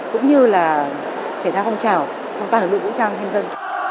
cũng như là thể thao không trào trong tàu lực lượng công an nhân dân